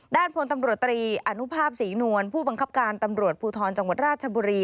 ด้านพลตำรวจตรีอนุภาพศรีนวลผู้บังคับการตำรวจภูทรจังหวัดราชบุรี